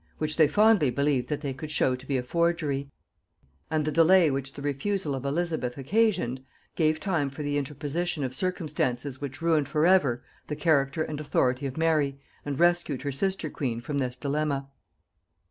which they fondly believed that they could show to be a forgery: and the delay which the refusal of Elizabeth occasioned, gave time for the interposition of circumstances which ruined for ever the character and authority of Mary, and rescued her sister queen from this dilemma.